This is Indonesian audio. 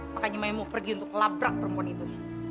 makanya mami mau pergi untuk labrak perempuan itu